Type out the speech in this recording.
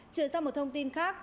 chuyển sang một thông tin khác